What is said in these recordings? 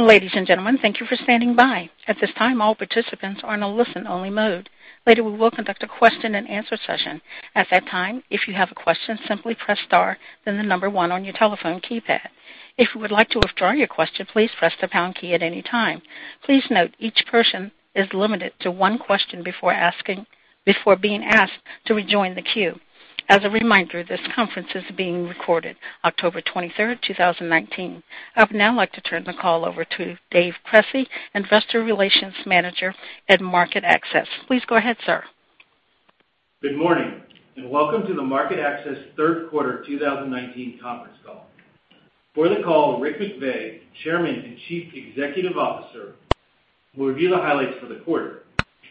Ladies and gentlemen, thank you for standing by. At this time, all participants are in a listen-only mode. Later, we will conduct a question and answer session. At that time, if you have a question, simply press star, then the number one on your telephone keypad. If you would like to withdraw your question, please press the pound key at any time. Please note each person is limited to one question before being asked to rejoin the queue. As a reminder, this conference is being recorded October 23rd, 2019. I would now like to turn the call over to David Cresci, Investor Relations Manager at MarketAxess. Please go ahead, sir. Good morning. Welcome to the MarketAxess Third Quarter 2019 conference call. For the call, Rick McVey, Chairman and Chief Executive Officer, will review the highlights for the quarter.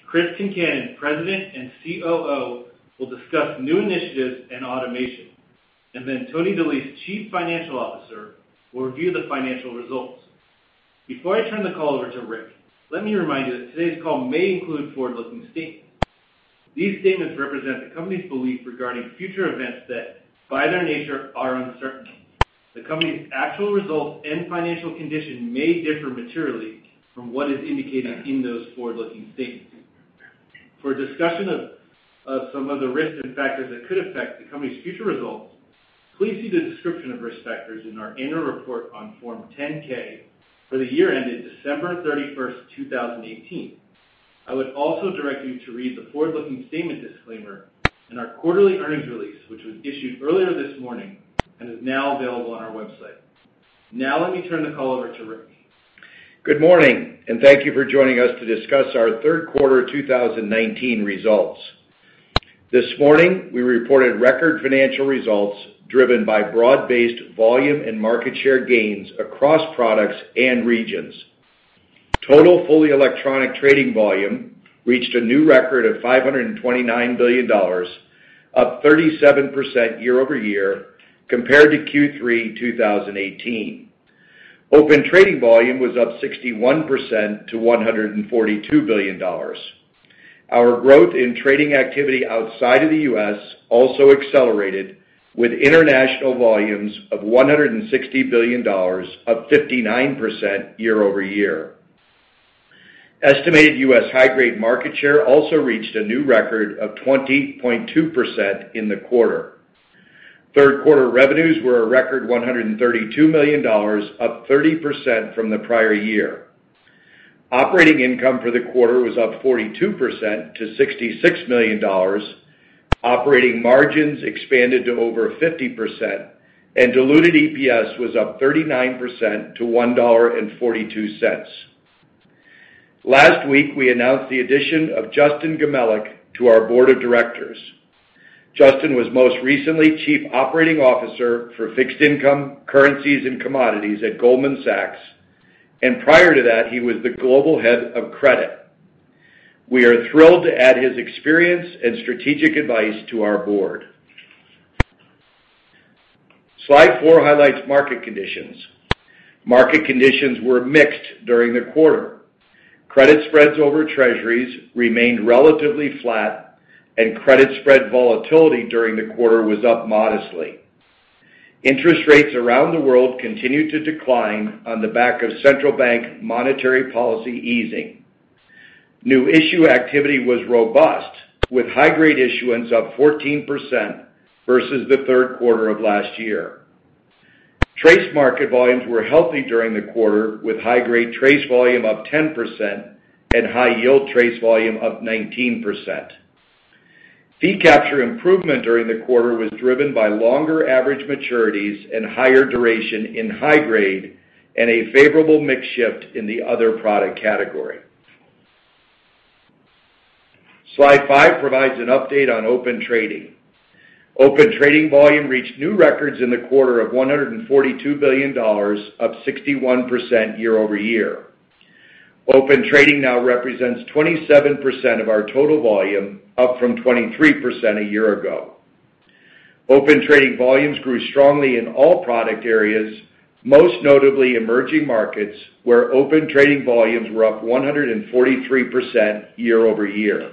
Chris Concannon, President and COO, will discuss new initiatives and automation. Tony DeLise, Chief Financial Officer, will review the financial results. Before I turn the call over to Rick, let me remind you that today's call may include forward-looking statements. These statements represent the company's belief regarding future events that, by their nature, are uncertain. The company's actual results and financial condition may differ materially from what is indicated in those forward-looking statements. For a discussion of some of the risks and factors that could affect the company's future results, please see the description of risk factors in our annual report on Form 10-K for the year ended December 31st, 2018. I would also direct you to read the forward-looking statement disclaimer in our quarterly earnings release, which was issued earlier this morning and is now available on our website. Now let me turn the call over to Rick. Good morning, and thank you for joining us to discuss our third quarter 2019 results. This morning, we reported record financial results driven by broad-based volume and market share gains across products and regions. Total fully electronic trading volume reached a new record of $529 billion, up 37% year-over-year compared to Q3 2018. Open Trading volume was up 61% to $142 billion. Our growth in trading activity outside of the U.S. also accelerated with international volumes of $160 billion, up 59% year-over-year. Estimated U.S. high-grade market share also reached a new record of 20.2% in the quarter. Third quarter revenues were a record $132 million, up 30% from the prior year. Operating income for the quarter was up 42% to $66 million. Operating margins expanded to over 50%, and diluted EPS was up 39% to $1.42. Last week, we announced the addition of Justin Gmelich to our board of directors. Justin was most recently Chief Operating Officer for Fixed Income Currencies and Commodities at Goldman Sachs, and prior to that, he was the Global Head of Credit. We are thrilled to add his experience and strategic advice to our board. Slide four highlights market conditions. Market conditions were mixed during the quarter. Credit spreads over Treasuries remained relatively flat, and credit spread volatility during the quarter was up modestly. Interest rates around the world continued to decline on the back of central bank monetary policy easing. New issue activity was robust, with high-grade issuance up 14% versus the third quarter of last year. TRACE market volumes were healthy during the quarter, with high-grade TRACE volume up 10% and high-yield TRACE volume up 19%. Fee capture improvement during the quarter was driven by longer average maturities and higher duration in high grade and a favorable mix shift in the other product category. Slide five provides an update on Open Trading. Open Trading volume reached new records in the quarter of $142 billion, up 61% year-over-year. Open Trading now represents 27% of our total volume, up from 23% a year ago. Open Trading volumes grew strongly in all product areas, most notably emerging markets, where Open Trading volumes were up 143% year-over-year.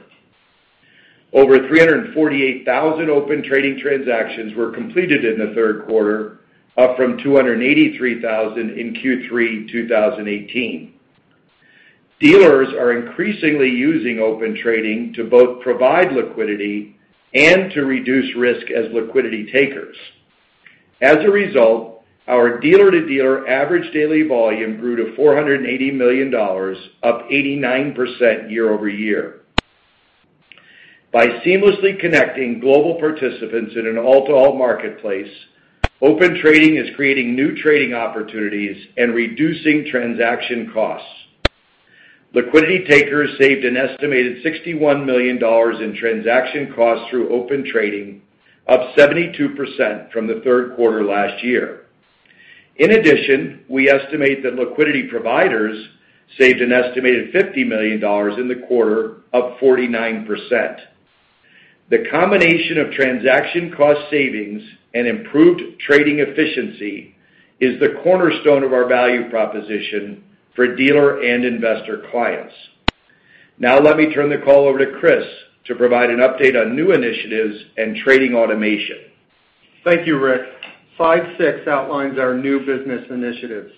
Over 348,000 Open Trading transactions were completed in the third quarter, up from 283,000 in Q3 2018. Dealers are increasingly using Open Trading to both provide liquidity and to reduce risk as liquidity takers. As a result, our dealer-to-dealer average daily volume grew to $480 million, up 89% year-over-year. By seamlessly connecting global participants in an all-to-all marketplace, Open Trading is creating new trading opportunities and reducing transaction costs. Liquidity takers saved an estimated $61 million in transaction costs through Open Trading, up 72% from the third quarter last year. In addition, we estimate that liquidity providers saved an estimated $50 million in the quarter, up 49%. The combination of transaction cost savings and improved trading efficiency is the cornerstone of our value proposition for dealer and investor clients. Let me turn the call over to Chris to provide an update on new initiatives and trading automation. Thank you, Rick. Slide six outlines our new business initiatives.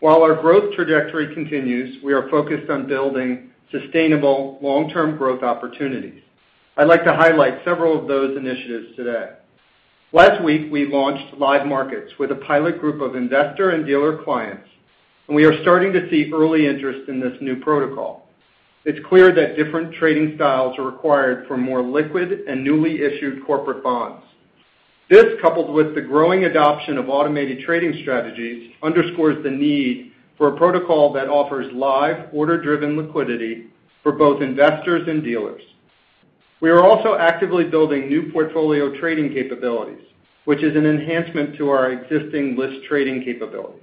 While our growth trajectory continues, we are focused on building sustainable long-term growth opportunities. I'd like to highlight several of those initiatives today. Last week, we launched Live Markets with a pilot group of investor and dealer clients, and we are starting to see early interest in this new protocol. It's clear that different trading styles are required for more liquid and newly issued corporate bonds. This, coupled with the growing adoption of automated trading strategies, underscores the need for a protocol that offers live order-driven liquidity for both investors and dealers. We are also actively building new portfolio trading capabilities, which is an enhancement to our existing list trading capabilities.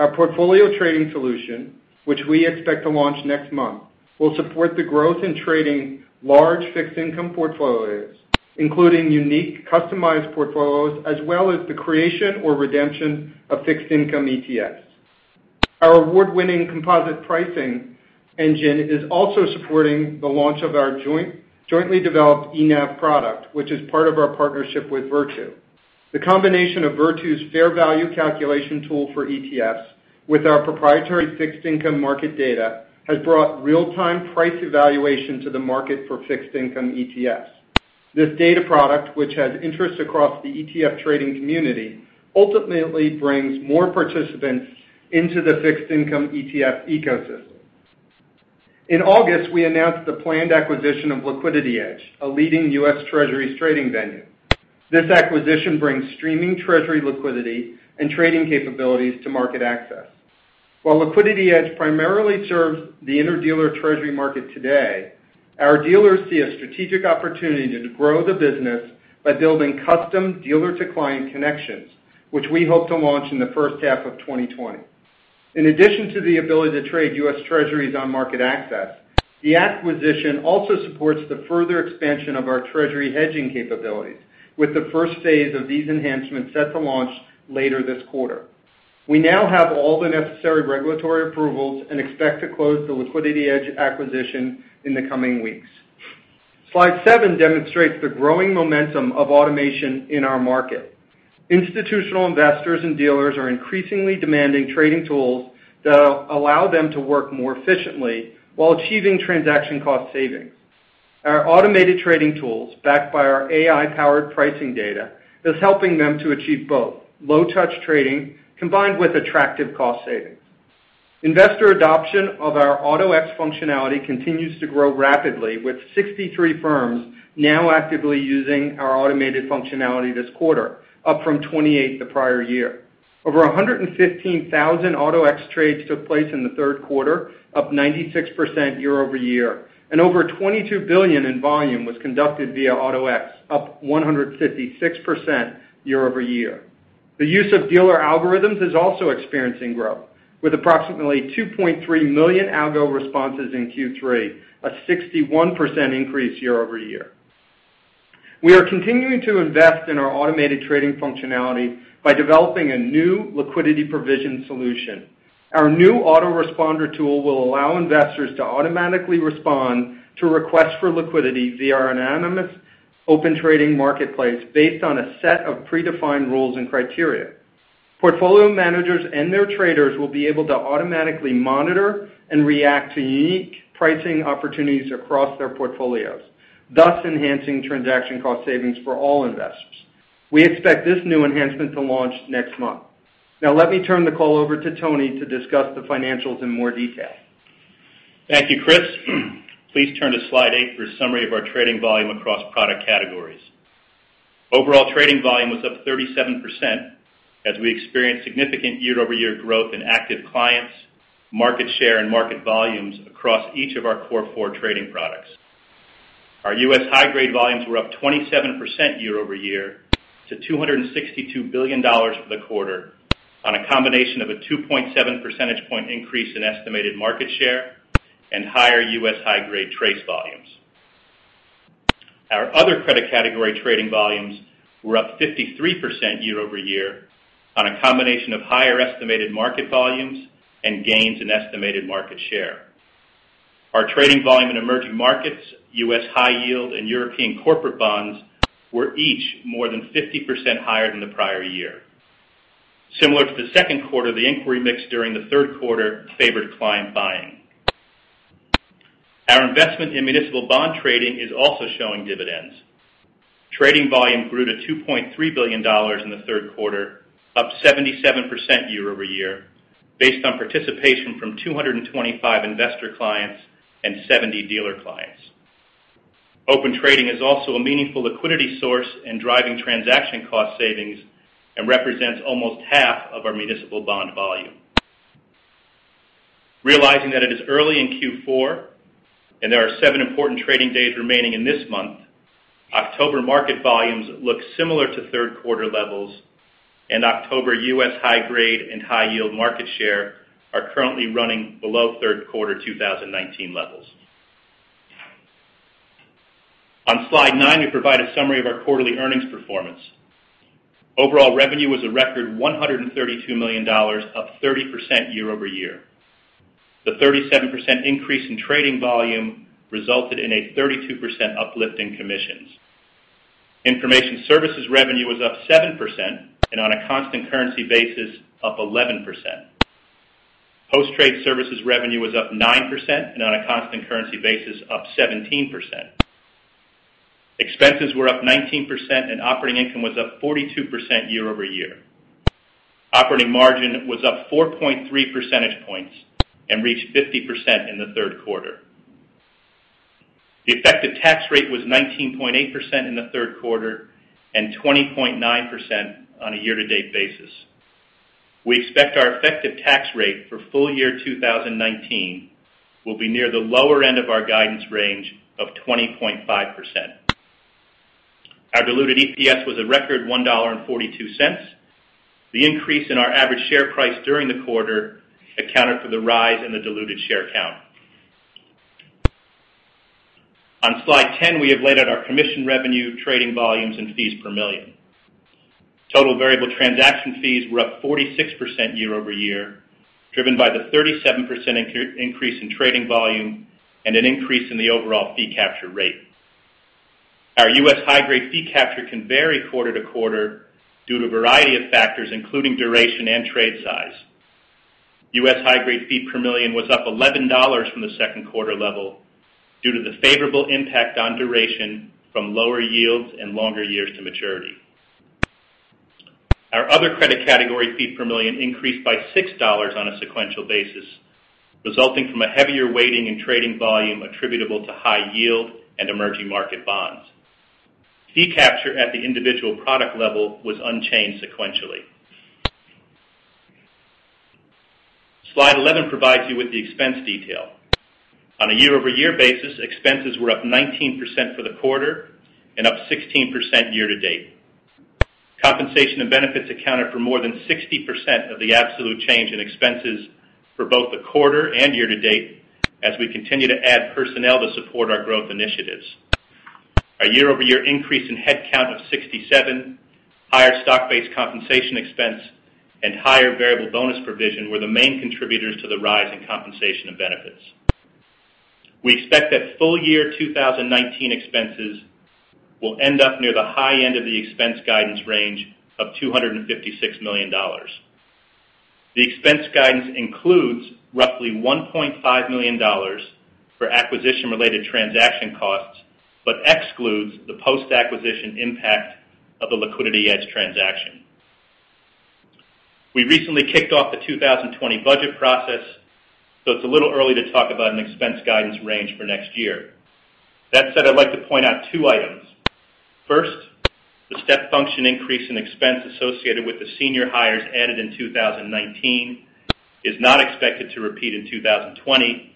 Our portfolio trading solution, which we expect to launch next month, will support the growth in trading large fixed income portfolios, including unique customized portfolios, as well as the creation or redemption of fixed income ETFs. Our award-winning composite pricing engine is also supporting the launch of our jointly developed eNAV product, which is part of our partnership with Virtu. The combination of Virtu's fair value calculation tool for ETFs with our proprietary fixed income market data has brought real-time price evaluation to the market for fixed income ETFs. This data product, which has interest across the ETF trading community, ultimately brings more participants into the fixed income ETF ecosystem. In August, we announced the planned acquisition of LiquidityEdge, a leading U.S. Treasuries trading venue. This acquisition brings streaming Treasury liquidity and trading capabilities to MarketAxess. While LiquidityEdge primarily serves the inter-dealer Treasury market today, our dealers see a strategic opportunity to grow the business by building custom dealer-to-client connections, which we hope to launch in the first half of 2020. In addition to the ability to trade U.S. Treasuries on MarketAxess, the acquisition also supports the further expansion of our Treasury hedging capabilities, with the first phase of these enhancements set to launch later this quarter. We now have all the necessary regulatory approvals and expect to close the LiquidityEdge acquisition in the coming weeks. Slide seven demonstrates the growing momentum of automation in our market. Institutional investors and dealers are increasingly demanding trading tools that allow them to work more efficiently while achieving transaction cost savings. Our automated trading tools, backed by our AI-powered pricing data, is helping them to achieve both low-touch trading combined with attractive cost savings. Investor adoption of our Auto-X functionality continues to grow rapidly, with 63 firms now actively using our automated functionality this quarter, up from 28 the prior year. Over 115,000 Auto-X trades took place in the third quarter, up 96% year-over-year, and over $22 billion in volume was conducted via Auto-X, up 156% year-over-year. The use of dealer algorithms is also experiencing growth, with approximately 2.3 million algo responses in Q3, a 61% increase year-over-year. We are continuing to invest in our automated trading functionality by developing a new liquidity provision solution. Our new Auto-Responder tool will allow investors to automatically respond to requests for liquidity via an anonymous Open Trading marketplace based on a set of predefined rules and criteria. Portfolio managers and their traders will be able to automatically monitor and react to unique pricing opportunities across their portfolios, thus enhancing transaction cost savings for all investors. We expect this new enhancement to launch next month. Now, let me turn the call over to Tony to discuss the financials in more detail. Thank you, Chris. Please turn to slide eight for a summary of our trading volume across product categories. Overall trading volume was up 37% as we experienced significant year-over-year growth in active clients, market share, and market volumes across each of our core four trading products. Our U.S. high-grade volumes were up 27% year-over-year to $262 billion for the quarter on a combination of a 2.7 percentage point increase in estimated market share and higher U.S. high-grade TRACE volumes. Our other credit category trading volumes were up 53% year-over-year on a combination of higher estimated market volumes and gains in estimated market share. Our trading volume in emerging markets, U.S. high yield, and European corporate bonds were each more than 50% higher than the prior year. Similar to the second quarter, the inquiry mix during the third quarter favored client buying. Our investment in municipal bond trading is also showing dividends. Trading volume grew to $2.3 billion in the third quarter, up 77% year-over-year, based on participation from 225 investor clients and 70 dealer clients. Open Trading is also a meaningful liquidity source and driving transaction cost savings and represents almost half of our municipal bond volume. Realizing that it is early in Q4 and there are seven important trading days remaining in this month, October market volumes look similar to third quarter levels, and October U.S. high-grade and high-yield market share are currently running below third quarter 2019 levels. On slide nine, we provide a summary of our quarterly earnings performance. Overall revenue was a record $132 million, up 30% year-over-year. The 37% increase in trading volume resulted in a 32% uplift in commissions. Information services revenue was up 7%, and on a constant currency basis, up 11%. Post-trade services revenue was up 9%, and on a constant currency basis, up 17%. Expenses were up 19%, and operating income was up 42% year-over-year. Operating margin was up 4.3 percentage points and reached 50% in the third quarter. The effective tax rate was 19.8% in the third quarter and 20.9% on a year-to-date basis. We expect our effective tax rate for full year 2019 will be near the lower end of our guidance range of 20.5%. Our diluted EPS was a record $1.42. The increase in our average share price during the quarter accounted for the rise in the diluted share count. On slide 10, we have laid out our commission revenue, trading volumes, well, and fees per million. Total variable transaction fees were up 46% year-over-year, driven by the 37% increase in trading volume and an increase in the overall fee capture rate. Our U.S. high-grade fee capture can vary quarter-to-quarter due to a variety of factors, including duration and trade size. U.S. high-grade fee per million was up $11 from the second quarter level due to the favorable impact on duration from lower yields and longer years to maturity. Our other credit category fee per million increased by $6 on a sequential basis, resulting from a heavier weighting in trading volume attributable to high yield and emerging market bonds. Fee capture at the individual product level was unchanged sequentially. Slide 11 provides you with the expense detail. On a year-over-year basis, expenses were up 19% for the quarter and up 16% year-to-date. Compensation and benefits accounted for more than 60% of the absolute change in expenses for both the quarter and year-to-date as we continue to add personnel to support our growth initiatives. A year-over-year increase in headcount of 67, higher stock-based compensation expense, and higher variable bonus provision were the main contributors to the rise in compensation and benefits. We expect that full year 2019 expenses will end up near the high end of the expense guidance range of $256 million. The expense guidance includes roughly $1.5 million for acquisition-related transaction costs but excludes the post-acquisition impact of the LiquidityEdge transaction. We recently kicked off the 2020 budget process, it's a little early to talk about an expense guidance range for next year. That said, I'd like to point out two items. First, the step function increase in expense associated with the senior hires added in 2019 is not expected to repeat in 2020.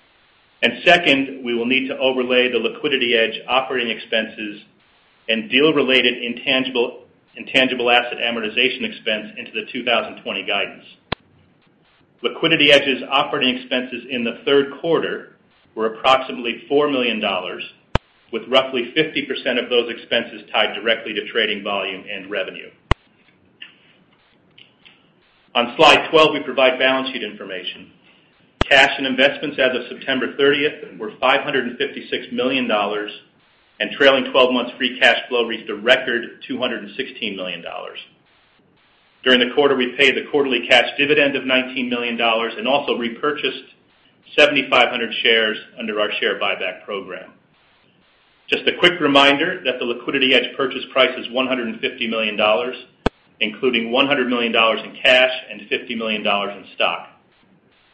Second, we will need to overlay the LiquidityEdge operating expenses and deal-related intangible asset amortization expense into the 2020 guidance. LiquidityEdge's operating expenses in the third quarter were approximately $4 million, with roughly 50% of those expenses tied directly to trading volume and revenue. On slide 12, we provide balance sheet information. Cash and investments as of September 30th were $556 million, and trailing 12 months free cash flow reached a record $216 million. During the quarter, we paid the quarterly cash dividend of $19 million and also repurchased 7,500 shares under our share buyback program. Just a quick reminder that the LiquidityEdge purchase price is $150 million, including $100 million in cash and $50 million in stock.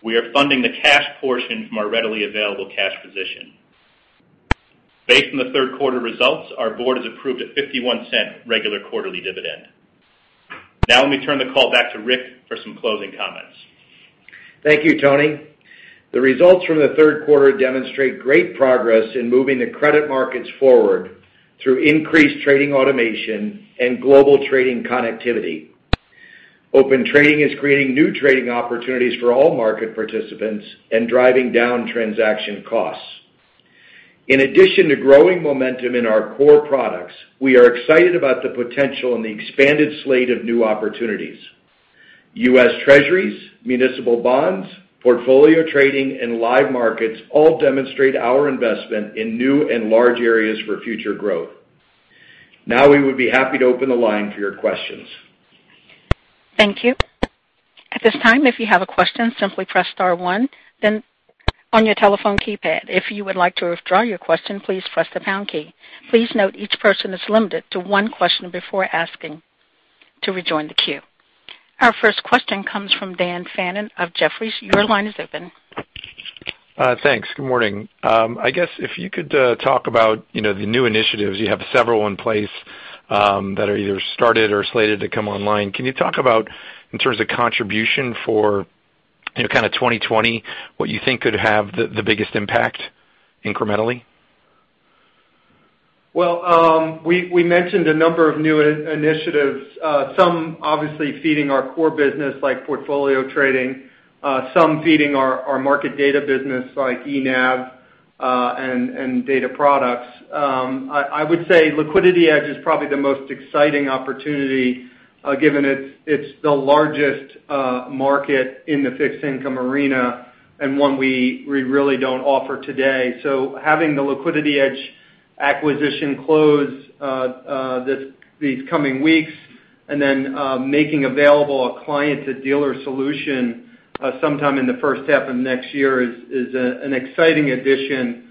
We are funding the cash portion from our readily available cash position. Based on the third quarter results, our board has approved a $0.51 regular quarterly dividend. Now, let me turn the call back to Rick for some closing comments. Thank you, Tony. The results from the third quarter demonstrate great progress in moving the credit markets forward through increased trading automation and global trading connectivity. Open Trading is creating new trading opportunities for all market participants and driving down transaction costs. In addition to growing momentum in our core products, we are excited about the potential in the expanded slate of new opportunities. U.S. Treasuries, municipal bonds, portfolio trading, and live markets all demonstrate our investment in new and large areas for future growth. We would be happy to open the line for your questions. Thank you. At this time, if you have a question, simply press star one then on your telephone keypad. If you would like to withdraw your question, please press the pound key. Please note each person is limited to one question before asking to rejoin the queue. Our first question comes from Daniel Fannon of Jefferies. Your line is open. Thanks. Good morning. I guess if you could talk about the new initiatives. You have several in place that are either started or slated to come online. Can you talk about, in terms of contribution for kind of 2020, what you think could have the biggest impact incrementally? Well, we mentioned a number of new initiatives, some obviously feeding our core business like portfolio trading. Some feeding our market data business, like eNAV and data products. I would say LiquidityEdge is probably the most exciting opportunity, given it's the largest market in the fixed income arena and one we really don't offer today. Having the LiquidityEdge acquisition close these coming weeks, and then making available a client-to-dealer solution sometime in the first half of next year is an exciting addition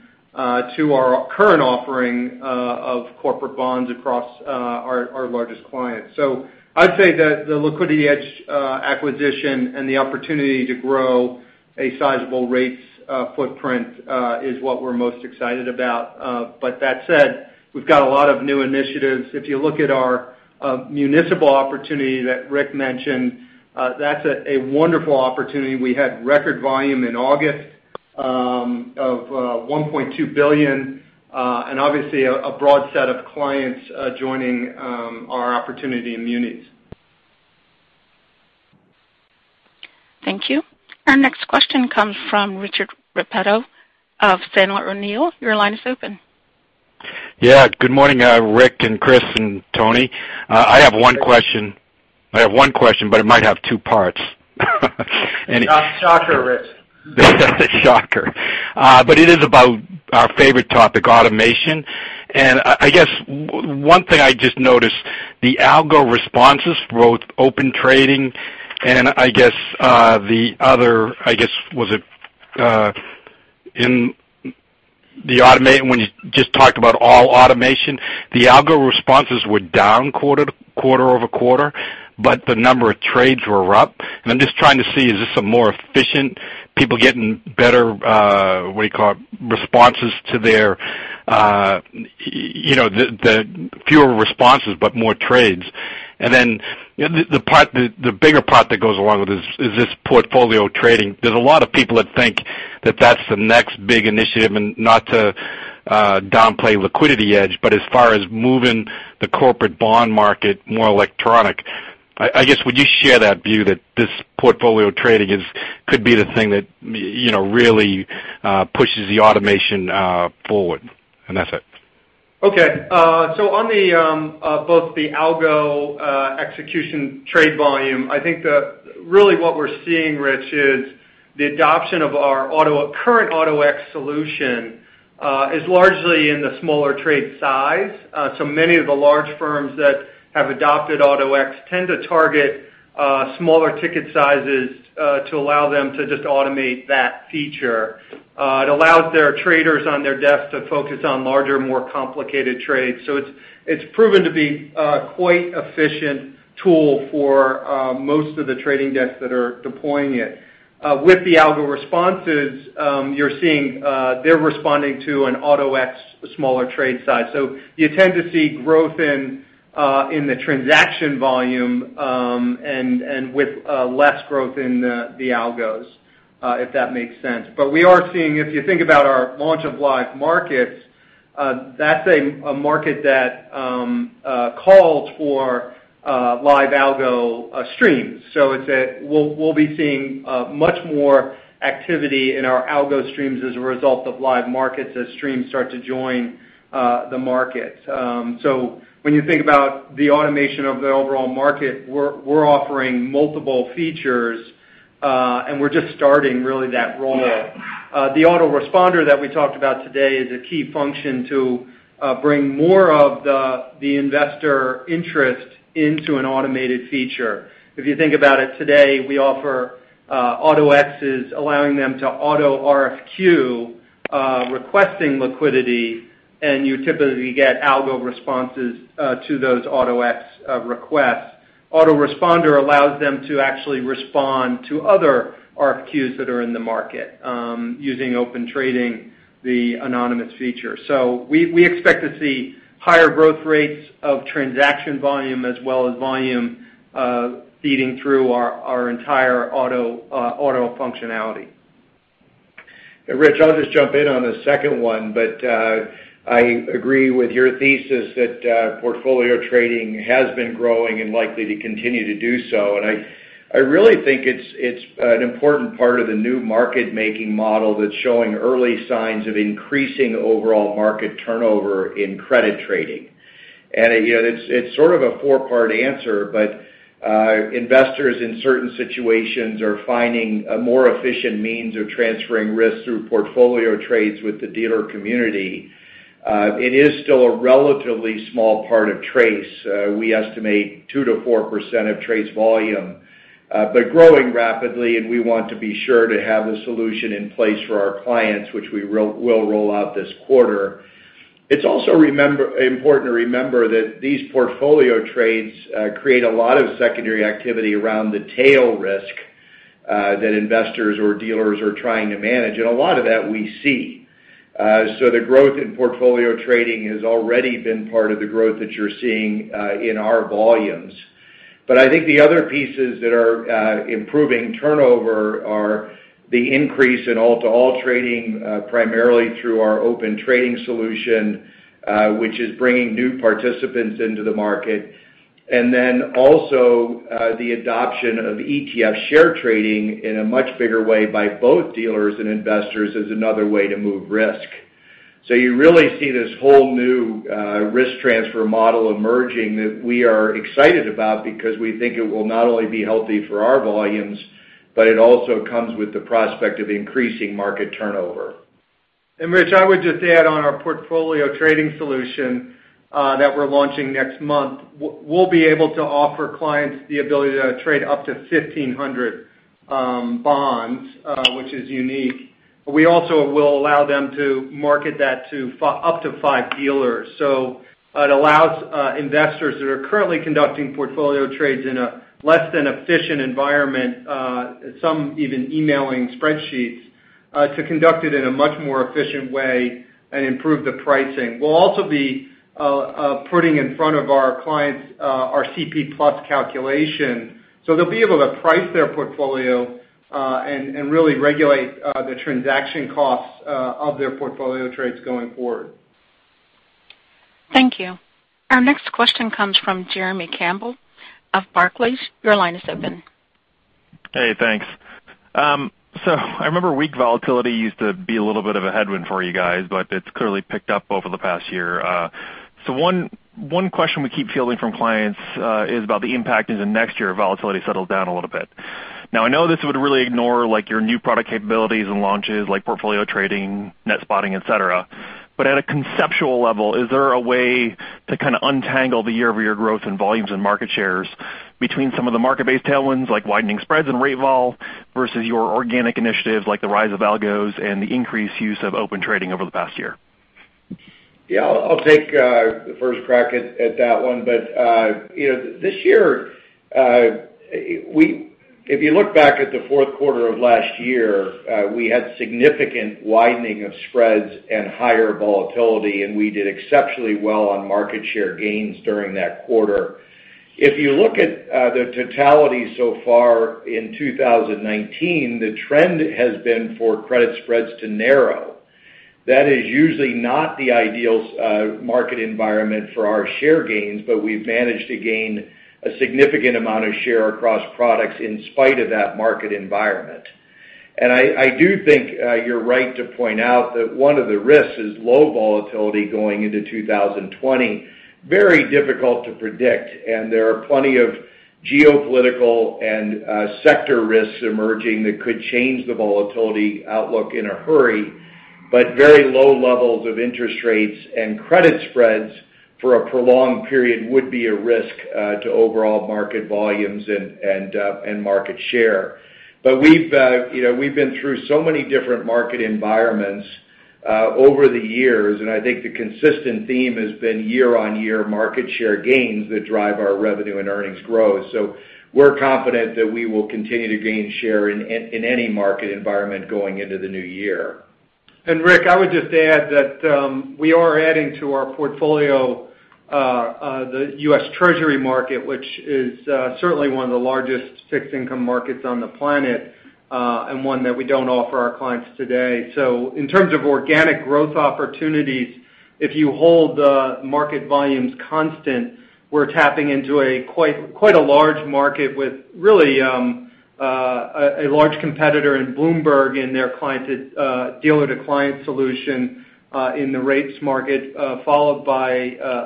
to our current offering of corporate bonds across our largest clients. I'd say that the LiquidityEdge acquisition and the opportunity to grow a sizable rates footprint is what we're most excited about. That said, we've got a lot of new initiatives. If you look at our municipal opportunity that Rick mentioned, that's a wonderful opportunity. We had record volume in August of $1.2 billion. Obviously, a broad set of clients joining our opportunity in munis. Thank you. Our next question comes from Richard Repetto of Sandler O'Neill. Your line is open. Yeah. Good morning, Rick and Chris and Tony. I have one question, but it might have two parts. Shocker, Rich. Shocker. It is about our favorite topic, automation. One thing I just noticed, the algo responses, both Open Trading and the other, when you just talked about all automation, the algo responses were down quarter-over-quarter, but the number of trades were up. I'm just trying to see, is this a more efficient, people getting better, what do you call it, responses to their fewer responses, but more trades. The bigger part that goes along with this is this portfolio trading. There's a lot of people that think that that's the next big initiative. Not to downplay LiquidityEdge, but as far as moving the corporate bond market more electronic. Would you share that view that this portfolio trading could be the thing that really pushes the automation forward? That's it. Okay. On both the algo execution trade volume, I think that really what we're seeing, Rich, is the adoption of our current Auto-X solution is largely in the smaller trade size. Many of the large firms that have adopted Auto-X tend to target smaller ticket sizes to allow them to just automate that feature. It allows their traders on their desks to focus on larger, more complicated trades. It's proven to be quite efficient tool for most of the trading desks that are deploying it. With the algo responses, you're seeing they're responding to an Auto-X smaller trade size. You tend to see growth in the transaction volume and with less growth in the algos, if that makes sense. We are seeing, if you think about our launch of live markets, that's a market that calls for live algo streams. We'll be seeing much more activity in our algo streams as a result of live markets as streams start to join the market. When you think about the automation of the overall market, we're offering multiple features, and we're just starting really that rollout. The Auto-Responder that we talked about today is a key function to bring more of the investor interest into an automated feature. If you think about it today, we offer Auto-X's, allowing them to auto RFQ, requesting liquidity, and you typically get algo responses to those Auto-X requests. Auto-Responder allows them to actually respond to other RFQs that are in the market using Open Trading, the anonymous feature. We expect to see higher growth rates of transaction volume as well as volume feeding through our entire auto functionality. Rich, I'll just jump in on the second one, but I agree with your thesis that portfolio trading has been growing and likely to continue to do so. I really think it's an important part of the new market-making model that's showing early signs of increasing overall market turnover in credit trading. It's sort of a four-part answer, but investors in certain situations are finding a more efficient means of transferring risk through portfolio trades with the dealer community. It is still a relatively small part of TRACE. We estimate 2%-4% of TRACE volume. Growing rapidly, and we want to be sure to have a solution in place for our clients, which we will roll out this quarter. It's also important to remember that these portfolio trades create a lot of secondary activity around the tail risk that investors or dealers are trying to manage. A lot of that we see. The growth in portfolio trading has already been part of the growth that you're seeing in our volumes. I think the other pieces that are improving turnover are the increase in all-to-all trading, primarily through our Open Trading solution, which is bringing new participants into the market. Also, the adoption of ETF share trading in a much bigger way by both dealers and investors as another way to move risk. You really see this whole new risk transfer model emerging that we are excited about because we think it will not only be healthy for our volumes, but it also comes with the prospect of increasing market turnover. Rich, I would just add on our portfolio trading solution that we're launching next month. We'll be able to offer clients the ability to trade up to 1,500 bonds, which is unique. We also will allow them to market that to up to five dealers. It allows investors that are currently conducting portfolio trades in a less than efficient environment, some even emailing spreadsheets, to conduct it in a much more efficient way and improve the pricing. We'll also be putting in front of our clients our CP+ calculation, they'll be able to price their portfolio, and really regulate the transaction costs of their portfolio trades going forward. Thank you. Our next question comes from Jeremy Campbell of Barclays. Your line is open. Hey, thanks. I remember weak volatility used to be a little bit of a headwind for you guys, but it's clearly picked up over the past year. One question we keep fielding from clients is about the impact as of next year volatility settles down a little bit. I know this would really ignore your new product capabilities and launches like portfolio trading, net spotting, et cetera. At a conceptual level, is there a way to untangle the year-over-year growth in volumes and market shares between some of the market-based tailwinds, like widening spreads and rate vol, versus your organic initiatives like the rise of algos and the increased use of Open Trading over the past year? Yeah, I'll take the first crack at that one. This year, if you look back at the fourth quarter of last year, we had significant widening of spreads and higher volatility, and we did exceptionally well on market share gains during that quarter. If you look at the totality so far in 2019, the trend has been for credit spreads to narrow. That is usually not the ideal market environment for our share gains, but we've managed to gain a significant amount of share across products in spite of that market environment. I do think you're right to point out that one of the risks is low volatility going into 2020. Very difficult to predict, and there are plenty of geopolitical and sector risks emerging that could change the volatility outlook in a hurry. Very low levels of interest rates and credit spreads for a prolonged period would be a risk to overall market volumes and market share. We've been through so many different market environments over the years, and I think the consistent theme has been year-on-year market share gains that drive our revenue and earnings growth. We're confident that we will continue to gain share in any market environment going into the new year. Rick, I would just add that we are adding to our portfolio the U.S. Treasury market, which is certainly one of the largest fixed-income markets on the planet, and one that we don't offer our clients today. In terms of organic growth opportunities, if you hold the market volumes constant, we're tapping into quite a large market with really a large competitor in Bloomberg in their dealer-to-client solution, in the rates market, followed by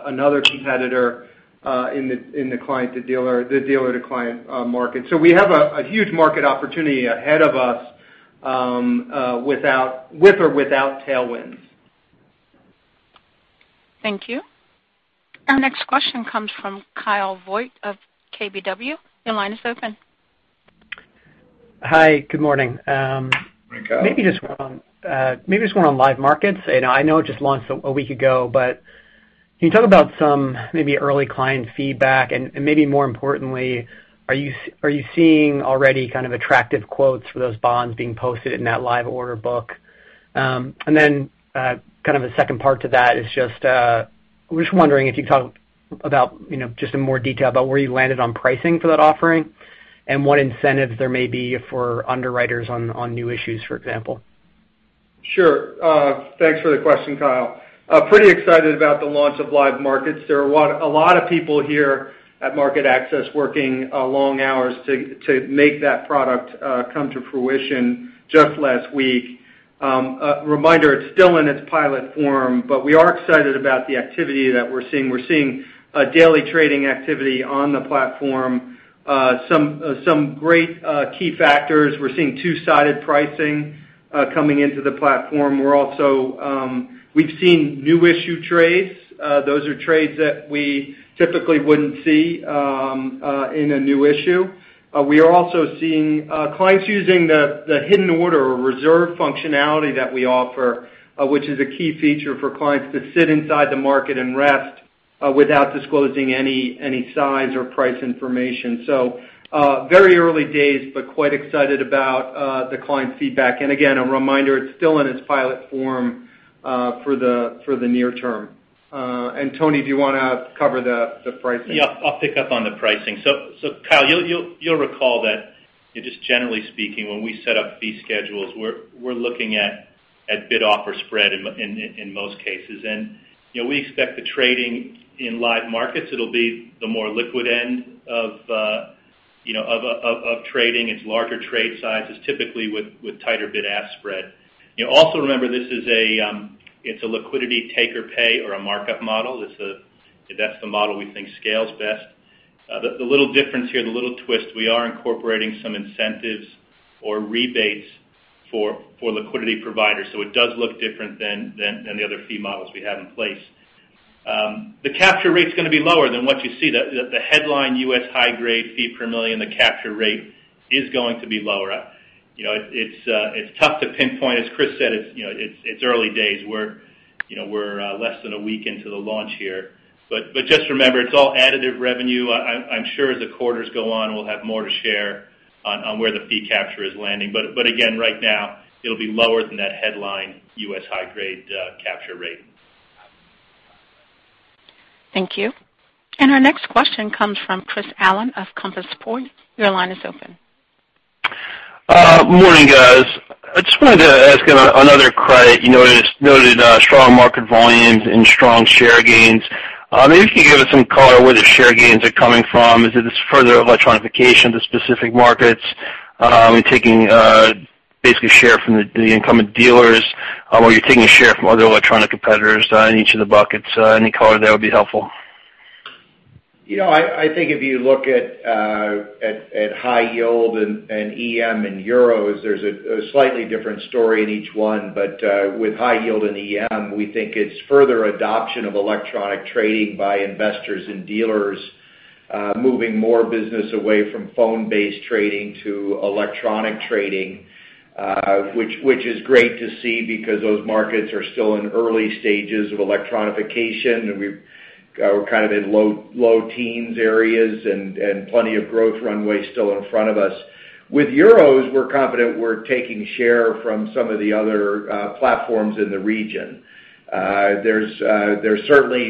another competitor, in the dealer-to-client market. We have a huge market opportunity ahead of us with or without tailwinds. Thank you. Our next question comes from Kyle Voigt of KBW. Your line is open. Hi, good morning. Hi, Kyle. Maybe just going on live markets, and I know it just launched a week ago, but can you talk about some maybe early client feedback and, maybe more importantly, are you seeing already kind of attractive quotes for those bonds being posted in that live order book? Then, kind of a second part to that is just, I was just wondering if you could talk about, just in more detail, about where you landed on pricing for that offering and what incentives there may be for underwriters on new issues, for example. Sure. Thanks for the question, Kyle. Pretty excited about the launch of Live Markets. There are a lot of people here at MarketAxess working long hours to make that product come to fruition just last week. A reminder, it's still in its pilot form, but we are excited about the activity that we're seeing. We're seeing daily trading activity on the platform. Some great key factors. We're seeing two-sided pricing coming into the platform. We've seen new issue trades. Those are trades that we typically wouldn't see in a new issue. We are also seeing clients using the hidden order or reserve functionality that we offer, which is a key feature for clients to sit inside the market and rest without disclosing any size or price information. Very early days, but quite excited about the client feedback. Again, a reminder, it's still in its pilot form for the near term. Tony, do you want to cover the pricing? Yeah. I'll pick up on the pricing. Kyle, you'll recall that just generally speaking, when we set up fee schedules, we're looking at bid-offer spread in most cases. We expect the trading in live markets, it'll be the more liquid end of trading. It's larger trade sizes, typically with tighter bid-ask spread. Remember, it's a liquidity take-or-pay or a markup model. That's the model we think scales best. The little difference here, the little twist, we are incorporating some incentives or rebates for liquidity providers, so it does look different than the other fee models we have in place. The capture rate's going to be lower than what you see. The headline U.S. high-grade fee per million, the capture rate is going to be lower. It's tough to pinpoint. As Chris said, it's early days. We're less than a week into the launch here. Just remember, it's all additive revenue. I'm sure as the quarters go on, we'll have more to share on where the fee capture is landing. Again, right now, it'll be lower than that headline U.S. high-grade capture rate. Thank you. Our next question comes from Chris Allen of Compass Point. Your line is open. Morning, guys. I just wanted to ask on other credit, you noted strong market volumes and strong share gains. Maybe if you could give us some color where the share gains are coming from. Is it this further electronification to specific markets, taking basically share from the incumbent dealers, or you're taking a share from other electronic competitors in each of the buckets? Any color there would be helpful. I think if you look at high yield and EM and euros, there's a slightly different story in each one. With high yield and EM, we think it's further adoption of electronic trading by investors and dealers, moving more business away from phone-based trading to electronic trading, which is great to see because those markets are still in early stages of electronification, and we're kind of in low teens areas and plenty of growth runway still in front of us. With euros, we're confident we're taking share from some of the other platforms in the region. Certainly,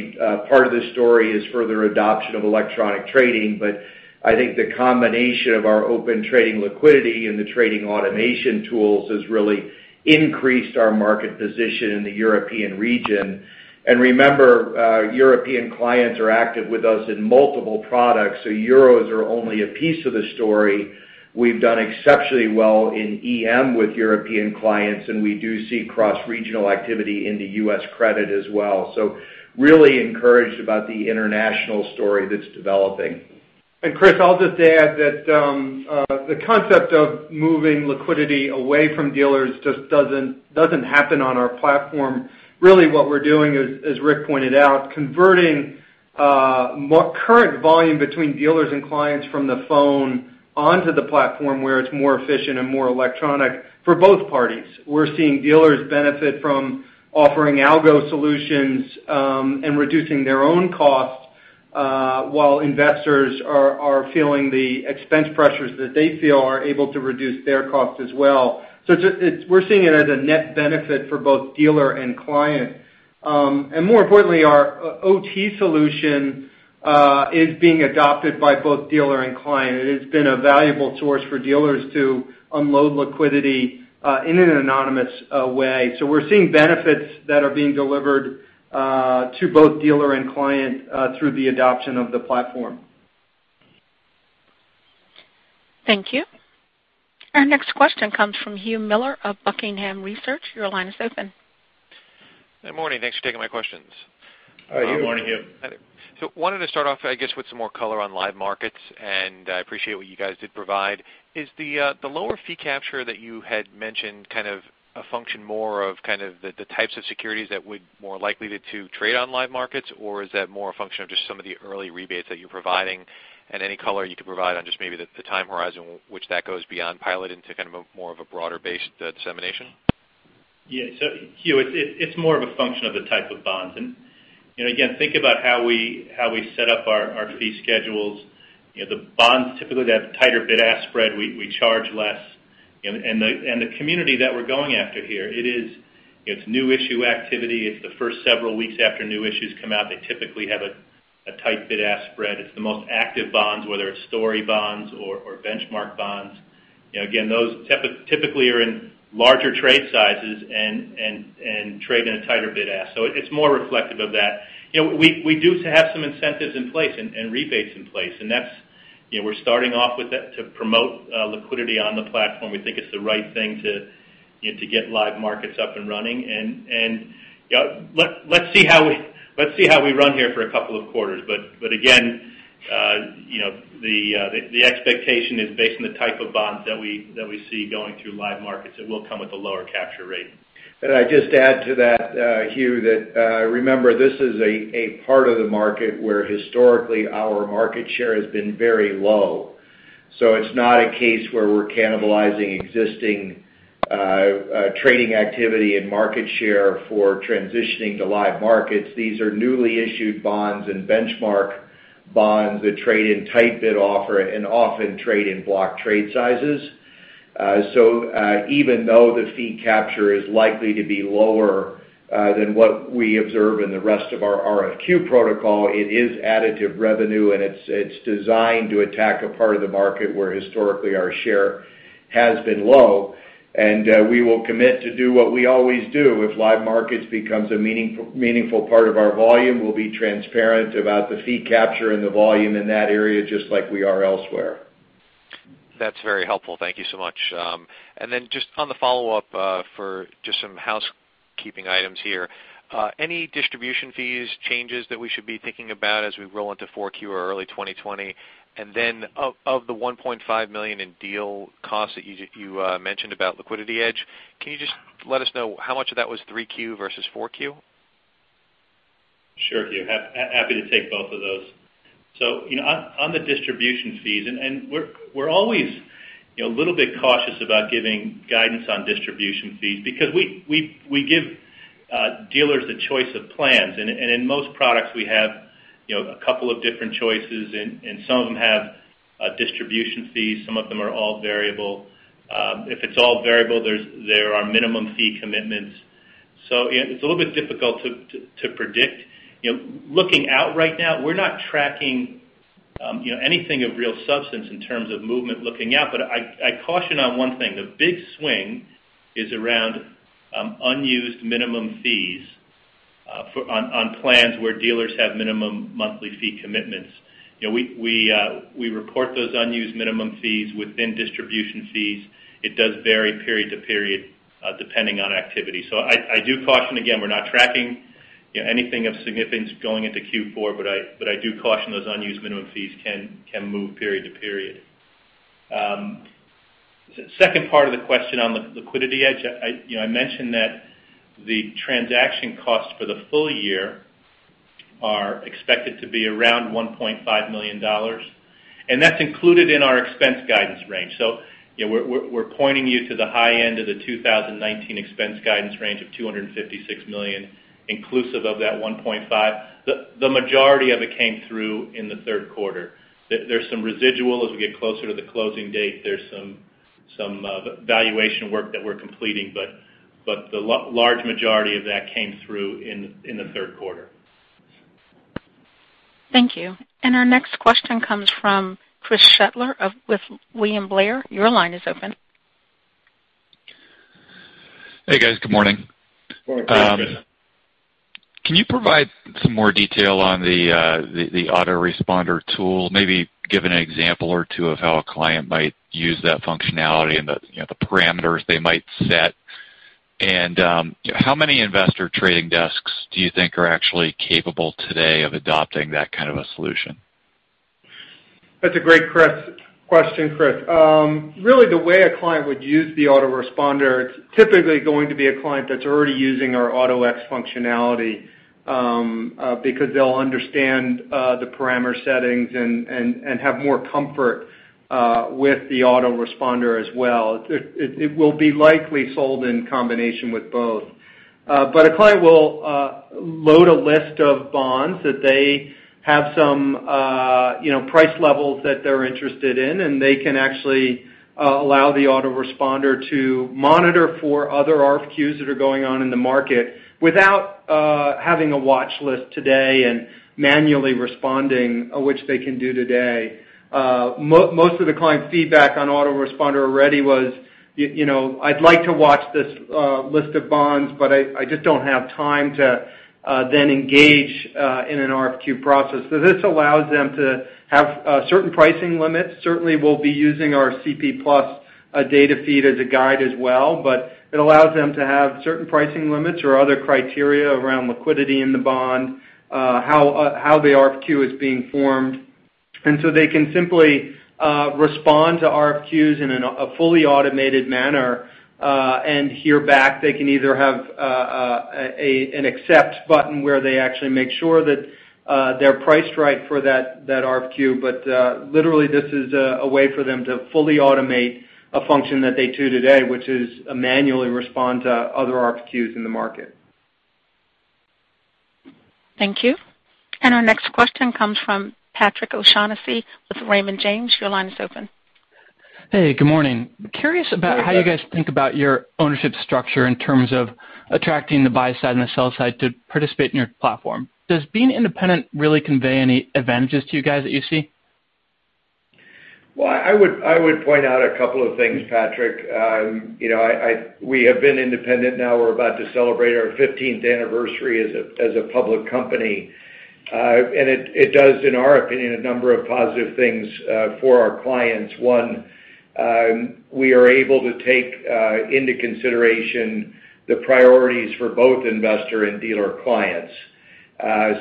part of the story is further adoption of electronic trading, but I think the combination of our Open Trading liquidity and the trading automation tools has really increased our market position in the European region. Remember, European clients are active with us in multiple products, so euros are only a piece of the story. We've done exceptionally well in EM with European clients, and we do see cross-regional activity in the U.S. credit as well. Really encouraged about the international story that's developing. Chris, I'll just add that the concept of moving liquidity away from dealers just doesn't happen on our platform. Really what we're doing is, as Rick pointed out, converting more current volume between dealers and clients from the phone onto the platform where it's more efficient and more electronic for both parties. We're seeing dealers benefit from offering algo solutions and reducing their own costs, while investors are feeling the expense pressures that they feel are able to reduce their costs as well. We're seeing it as a net benefit for both dealer and client. More importantly, our OT solution is being adopted by both dealer and client, and it has been a valuable source for dealers to unload liquidity in an anonymous way. We're seeing benefits that are being delivered to both dealer and client through the adoption of the platform. Thank you. Our next question comes from Hugh Miller of Buckingham Research. Your line is open. Good morning. Thanks for taking my questions. Good morning, Hugh. Hi, there. Wanted to start off, I guess, with some more color on live markets, and I appreciate what you guys did provide. Is the lower fee capture that you had mentioned kind of a function more of kind of the types of securities that would more likely to trade on live markets? Or is that more a function of just some of the early rebates that you're providing? Any color you could provide on just maybe the time horizon, which that goes beyond pilot into kind of more of a broader-based dissemination? Yeah. Hugh, it's more of a function of the type of bonds. Again, think about how we set up our fee schedules. The bonds typically that have tighter bid-ask spread, we charge less. The community that we're going after here, it's new issue activity. It's the first several weeks after new issues come out. They typically have a tight bid-ask spread. It's the most active bonds, whether it's story bonds or benchmark bonds. Again, those typically are in larger trade sizes and trade in a tighter bid-ask. It's more reflective of that. We do have some incentives in place and rebates in place, and we're starting off with that to promote liquidity on the platform. We think it's the right thing to get live markets up and running. Let's see how we run here for a couple of quarters. Again, the expectation is based on the type of bonds that we see going through live markets, it will come with a lower capture rate. Can I just add to that, Hugh, that remember, this is a part of the market where historically our market share has been very low. It's not a case where we're cannibalizing existing trading activity and market share for transitioning to live markets. These are newly issued bonds and benchmark bonds that trade in tight bid offer and often trade in block trade sizes. Even though the fee capture is likely to be lower than what we observe in the rest of our RFQ protocol, it is additive revenue, and it's designed to attack a part of the market where historically our share has been low, and we will commit to do what we always do. If live markets becomes a meaningful part of our volume, we'll be transparent about the fee capture and the volume in that area, just like we are elsewhere. That's very helpful. Thank you so much. Just on the follow-up for just some housekeeping items here. Any distribution fees changes that we should be thinking about as we roll into 4Q or early 2020? Of the $1.5 million in deal costs that you mentioned about LiquidityEdge, can you just let us know how much of that was 3Q versus 4Q? Sure, Hugh. Happy to take both of those. On the distribution fees, we're always a little bit cautious about giving guidance on distribution fees because we give dealers the choice of plans. In most products, we have a couple of different choices, and some of them have distribution fees. Some of them are all variable. If it's all variable, there are minimum fee commitments. It's a little bit difficult to predict. Looking out right now, we're not tracking anything of real substance in terms of movement looking out, but I caution on one thing. The big swing is around unused minimum fees on plans where dealers have minimum monthly fee commitments. We report those unused minimum fees within distribution fees. It does vary period to period, depending on activity. I do caution, again, we're not tracking anything of significance going into Q4, but I do caution those unused minimum fees can move period to period. Second part of the question on the LiquidityEdge. I mentioned that the transaction costs for the full year are expected to be around $1.5 million, and that's included in our expense guidance range. We're pointing you to the high end of the 2019 expense guidance range of $256 million, inclusive of that $1.5. The majority of it came through in the third quarter. There's some residual as we get closer to the closing date. There's some valuation work that we're completing, but the large majority of that came through in the third quarter. Thank you. Our next question comes from Chris Shutler with William Blair. Your line is open. Hey, guys. Good morning. Good morning, Chris. Can you provide some more detail on the Auto-Responder tool? Maybe give an example or two of how a client might use that functionality and the parameters they might set. How many investor trading desks do you think are actually capable today of adopting that kind of a solution? That's a great question, Chris. The way a client would use the Auto-Responder, it's typically going to be a client that's already using our Auto-X functionality because they'll understand the parameter settings and have more comfort with the Auto-Responder as well. It will be likely sold in combination with both. A client will load a list of bonds that they have some price levels that they're interested in, and they can actually allow the Auto-Responder to monitor for other RFQs that are going on in the market without having a watch list today and manually responding, which they can do today. Most of the client feedback on Auto-Responder already was, "I'd like to watch this list of bonds, but I just don't have time to then engage in an RFQ process." This allows them to have certain pricing limits. Certainly, we'll be using our CP+ data feed as a guide as well, but it allows them to have certain pricing limits or other criteria around liquidity in the bond, how the RFQ is being formed. They can simply respond to RFQs in a fully automated manner and hear back. They can either have an accept button where they actually make sure that they're priced right for that RFQ. Literally, this is a way for them to fully automate a function that they do today, which is manually respond to other RFQs in the market. Thank you. Our next question comes from Patrick O'Shaughnessy with Raymond James. Your line is open. Hey, good morning. Good morning. Curious about how you guys think about your ownership structure in terms of attracting the buy side and the sell side to participate in your platform? Does being independent really convey any advantages to you guys that you see? Well, I would point out a couple of things, Patrick. We have been independent now. We're about to celebrate our 15th anniversary as a public company. It does, in our opinion, a number of positive things for our clients. One, we are able to take into consideration the priorities for both investor and dealer clients.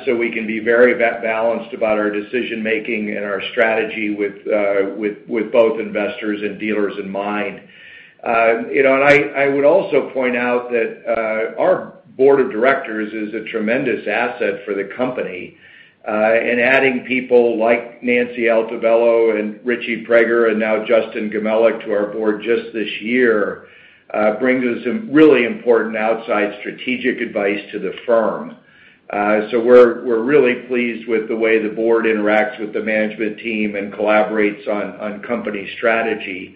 We can be very balanced about our decision-making and our strategy with both investors and dealers in mind. I would also point out that our board of directors is a tremendous asset for the company. Adding people like Nancy Altobello and Richie Prager, and now Justin Gmelich to our board just this year. Brings us some really important outside strategic advice to the firm. We're really pleased with the way the board interacts with the management team and collaborates on company strategy.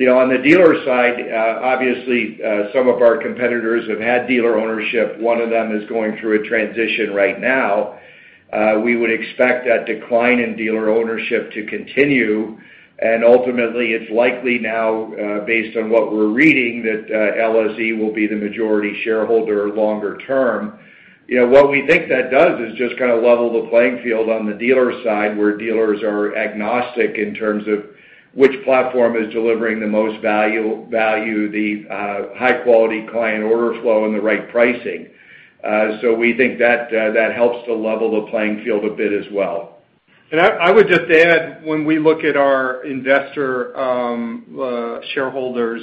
On the dealer side, obviously, some of our competitors have had dealer ownership. One of them is going through a transition right now. We would expect that decline in dealer ownership to continue. Ultimately, it's likely now, based on what we're reading, that LSE will be the majority shareholder longer term. What we think that does is just kind of level the playing field on the dealer side, where dealers are agnostic in terms of which platform is delivering the most value, the high-quality client order flow, and the right pricing. We think that helps to level the playing field a bit as well. I would just add, when we look at our investor shareholders,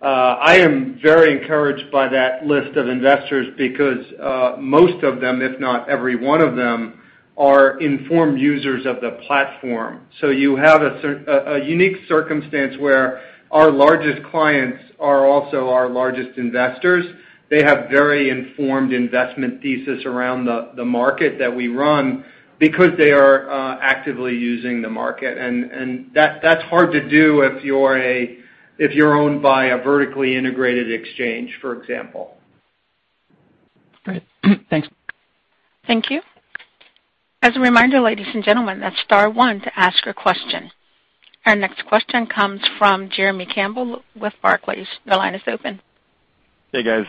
I am very encouraged by that list of investors because most of them, if not every one of them, are informed users of the platform. You have a unique circumstance where our largest clients are also our largest investors. They have very informed investment thesis around the market that we run because they are actively using the market, and that's hard to do if you're owned by a vertically integrated exchange, for example. Great. Thanks. Thank you. As a reminder, ladies and gentlemen, that's star one to ask a question. Our next question comes from Jeremy Campbell with Barclays. Your line is open. Hey, guys.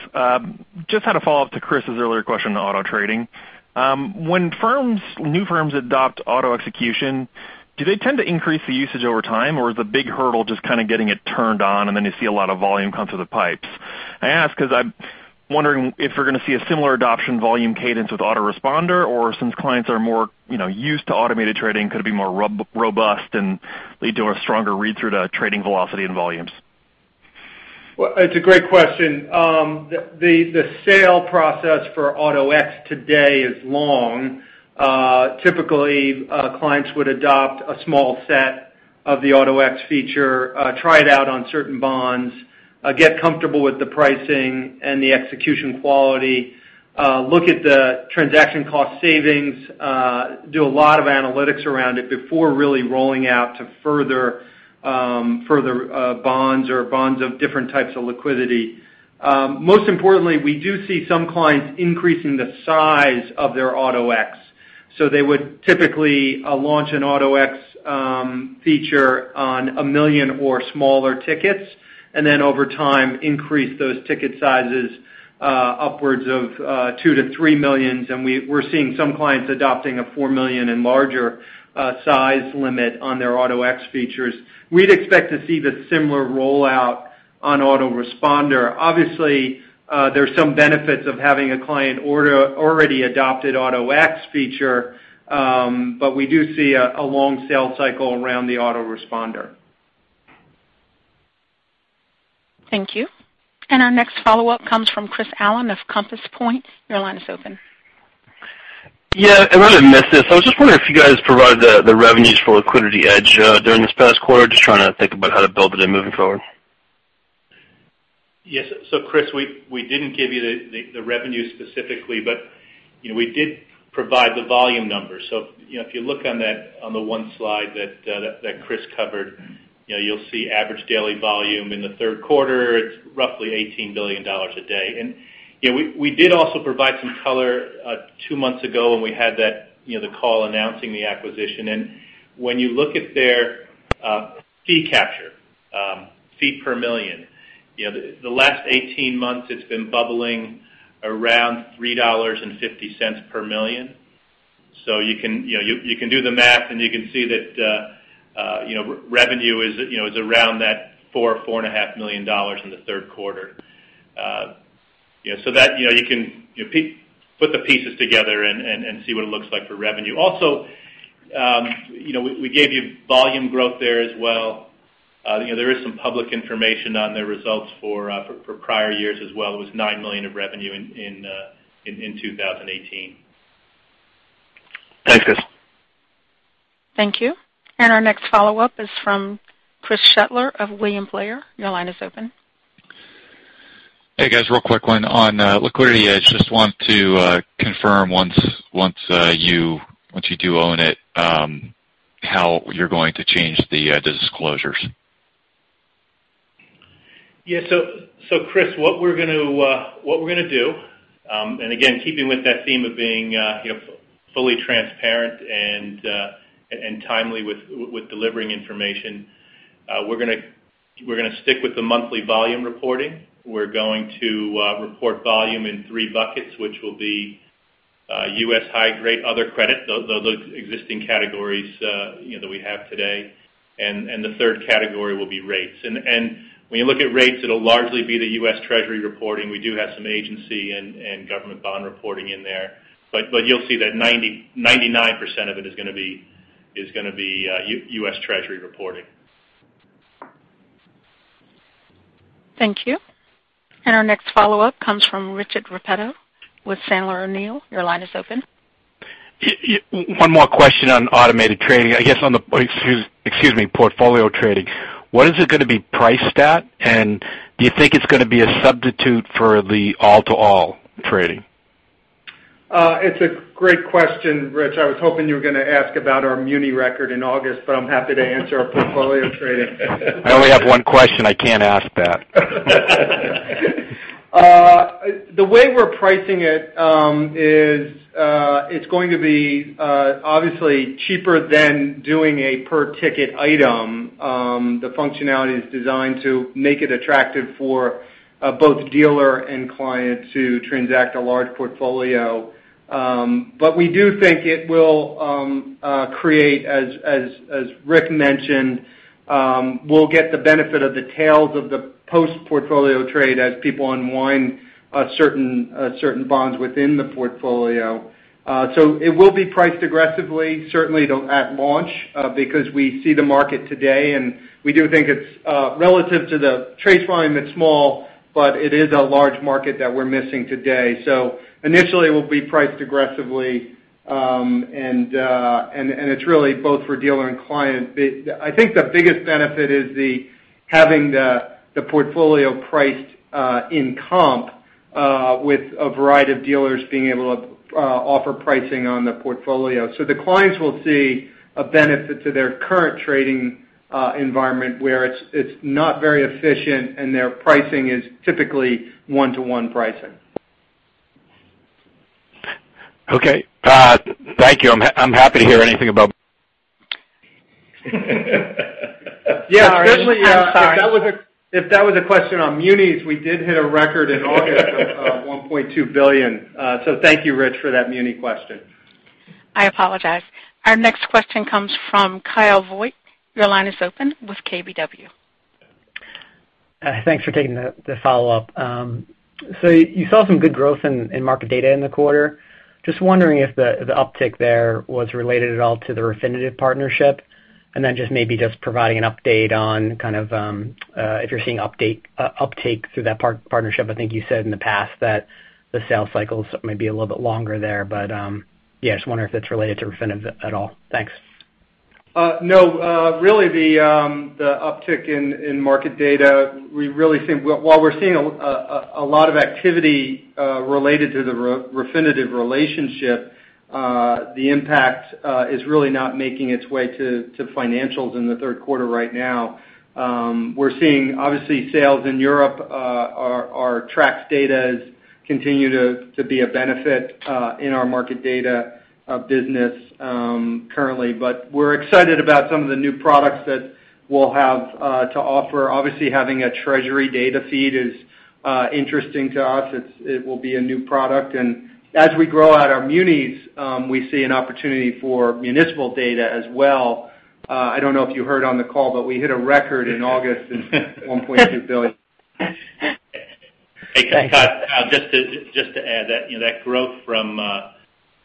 Just had a follow-up to Chris's earlier question on auto trading. When new firms adopt auto execution, do they tend to increase the usage over time, or is the big hurdle just kind of getting it turned on, and then you see a lot of volume come through the pipes? I ask because I'm wondering if we're going to see a similar adoption volume cadence with Auto-Responder, or since clients are more used to automated trading, could it be more robust and lead to a stronger read-through to trading velocity and volumes? It's a great question. The sale process for Auto-X today is long. Typically, clients would adopt a small set of the Auto-X feature, try it out on certain bonds, get comfortable with the pricing and the execution quality, look at the transaction cost savings, do a lot of analytics around it before really rolling out to further bonds or bonds of different types of liquidity. Most importantly, we do see some clients increasing the size of their Auto-X. They would typically launch an Auto-X feature on a $1 million or smaller tickets, and then over time, increase those ticket sizes upwards of $2 million-$3 million. We're seeing some clients adopting a $4 million and larger size limit on their Auto-X features. We'd expect to see the similar rollout on Auto-Responder. Obviously, there's some benefits of having a client already adopted Auto-X feature, but we do see a long sales cycle around the Auto-Responder. Thank you. Our next follow-up comes from Chris Allen of Compass Point. Your line is open. Yeah. I might have missed this. I was just wondering if you guys provided the revenues for LiquidityEdge during this past quarter. Just trying to think about how to build it in moving forward. Yes. Chris, we didn't give you the revenue specifically, but we did provide the volume numbers. If you look on the one slide that Chris covered, you'll see average daily volume in the third quarter, it's roughly $18 billion a day. We did also provide some color two months ago when we had the call announcing the acquisition. When you look at their fee capture, fee per million, the last 18 months, it's been bubbling around $3.50 per million. You can do the math, and you can see that revenue is around that $4 million, $4.5 million in the third quarter. You can put the pieces together and see what it looks like for revenue. We gave you volume growth there as well. There is some public information on their results for prior years as well. It was $9 million of revenue in 2018. Thanks, guys. Thank you. Our next follow-up is from Chris Shutler of William Blair. Your line is open. Hey, guys. Real quick one. On LiquidityEdge, just wanted to confirm, once you do own it, how you're going to change the disclosures. Yeah. Chris, what we're going to do, and again, keeping with that theme of being fully transparent and timely with delivering information, we're going to stick with the monthly volume reporting. We're going to report volume in three buckets, which will be U.S. high grade, other credit, those existing categories that we have today, and the third category will be rates. When you look at rates, it'll largely be the U.S. Treasury reporting. We do have some agency and government bond reporting in there. You'll see that 99% of it is going to be U.S. Treasury reporting. Thank you. Our next follow-up comes from Richard Repetto with Sandler O'Neill. Your line is open. One more question on automated trading. I guess, excuse me, portfolio trading. What is it going to be priced at, and do you think it's going to be a substitute for the all-to-all trading? It's a great question, Rich. I was hoping you were going to ask about our muni record in August, but I'm happy to answer our portfolio trading. I only have one question. I can't ask that. The way we're pricing it is, it's going to be, obviously, cheaper than doing a per ticket item. The functionality is designed to make it attractive for both dealer and client to transact a large portfolio. We do think it will create, as Rick mentioned, we'll get the benefit of the tails of the post-portfolio trade as people unwind certain bonds within the portfolio. It will be priced aggressively, certainly at launch, because we see the market today, and we do think it's, relative to the trade volume, it's small, but it is a large market that we're missing today. Initially, it will be priced aggressively, and it's really both for dealer and client. I think the biggest benefit is the having the portfolio priced in CP+, with a variety of dealers being able to offer pricing on the portfolio. The clients will see a benefit to their current trading environment where it's not very efficient and their pricing is typically one-to-one pricing. Okay. Thank you. I'm happy to hear anything about. Yeah. I'm sorry. If that was a question on munis, we did hit a record in August of $1.2 billion. Thank you, Rich, for that muni question. I apologize. Our next question comes from Kyle Voigt. Your line is open with KBW. Thanks for taking the follow-up. You saw some good growth in market data in the quarter. Just wondering if the uptick there was related at all to the Refinitiv partnership, and then just maybe just providing an update on kind of if you're seeing uptake through that partnership. I think you said in the past that the sales cycles may be a little bit longer there, but yeah. Just wondering if it's related to Refinitiv at all. Thanks. No. Really the uptick in market data, while we're seeing a lot of activity related to the Refinitiv relationship, the impact is really not making its way to financials in the third quarter right now. We're seeing, obviously, sales in Europe. Our Trax data continue to be a benefit in our market data business currently. We're excited about some of the new products that we'll have to offer. Obviously, having a treasury data feed is interesting to us. It will be a new product. As we grow out our munis, we see an opportunity for municipal data as well. I don't know if you heard on the call, but we hit a record in August of $1.2 billion. Thanks. Hey, Kyle, just to add, that growth from,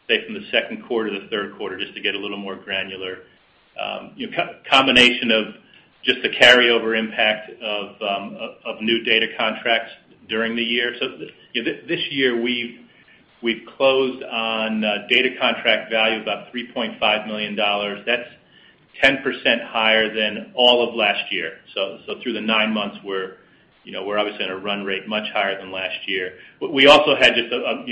say, from the second quarter to the third quarter, just to get a little more granular. Combination of just the carryover impact of new data contracts during the year. This year, we've closed on data contract value about $3.5 million. That's 10% higher than all of last year. Through the nine months, we're obviously at a run rate much higher than last year. We also had just a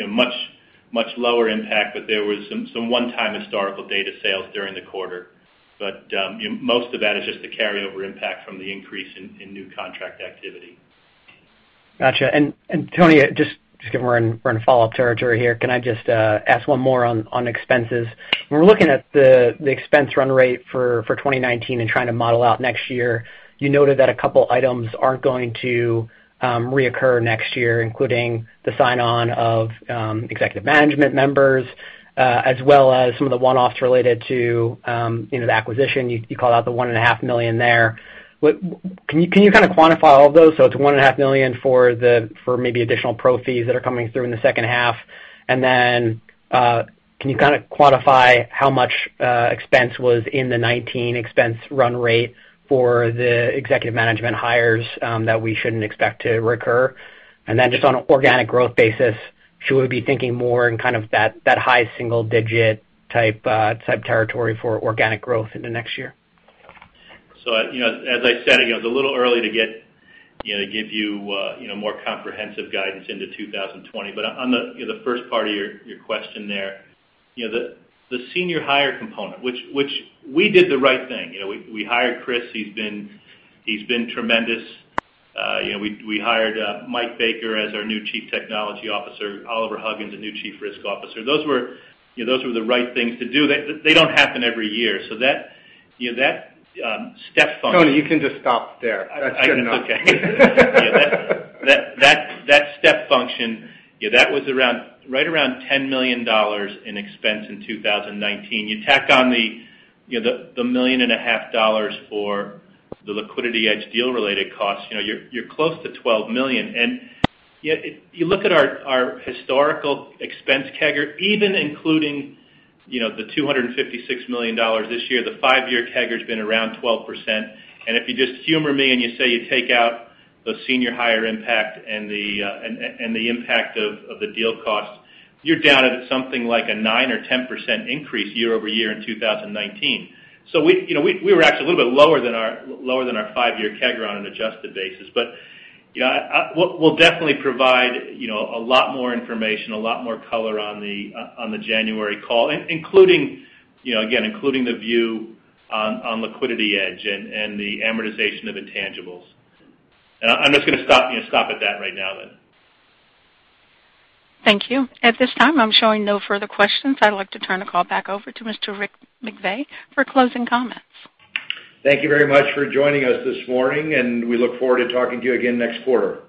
much lower impact, but there was some one-time historical data sales during the quarter. Most of that is just a carryover impact from the increase in new contract activity. Got you. Tony, just given we're in follow-up territory here, can I just ask one more on expenses? When we're looking at the expense run rate for 2019 and trying to model out next year, you noted that a couple items aren't going to reoccur next year, including the sign-on of executive management members, as well as some of the one-offs related to the acquisition. You called out the one and a half million there. Can you kind of quantify all of those? It's one and a half million for maybe additional pro fees that are coming through in the second half. Can you kind of quantify how much expense was in the 2019 expense run rate for the executive management hires that we shouldn't expect to recur? Just on an organic growth basis, should we be thinking more in kind of that high single digit type territory for organic growth in the next year? As I said, it's a little early to give you more comprehensive guidance into 2020. On the first part of your question there, the senior hire component, which we did the right thing. We hired Chris. He's been tremendous. We hired Michael Baker as our new Chief Technology Officer, Oliver Huggins, the new Chief Risk Officer. Those were the right things to do. They don't happen every year. That step function. Tony, you can just stop there. That's good enough. That's okay. That step function, that was right around $10 million in expense in 2019. You tack on the million and a half dollars for the LiquidityEdge deal-related costs, you're close to $12 million. Yet you look at our historical expense CAGR, even including the $256 million this year, the five-year CAGR has been around 12%. If you just humor me, and you say you take out the senior hire impact and the impact of the deal costs, you're down at something like a nine or 10% increase year-over-year in 2019. We were actually a little bit lower than our five-year CAGR on an adjusted basis. We'll definitely provide a lot more information, a lot more color on the January call, again, including the view on LiquidityEdge and the amortization of intangibles. I'm just going to stop at that right now then. Thank you. At this time, I'm showing no further questions. I'd like to turn the call back over to Mr. Rick McVey for closing comments. Thank you very much for joining us this morning, and we look forward to talking to you again next quarter.